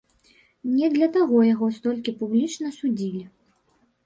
Не для таго яго столькі публічна судзілі.